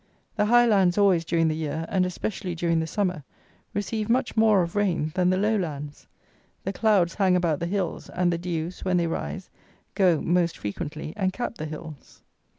The high lands always, during the year, and especially during the summer, receive much more of rain than the low lands. The clouds hang about the hills, and the dews, when they rise, go, most frequently, and cap the hills.